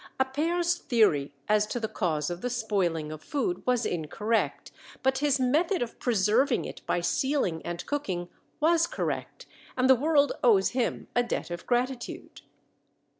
Appert's theory as to the cause of the spoiling of food was incorrect, but his method of preserving it by sealing and cooking was correct, and the world owes him a debt of gratitude.